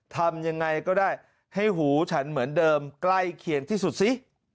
ทำยังไงก็ได้ให้หูฉันเหมือนเดิมใกล้เคียงที่สุดสิ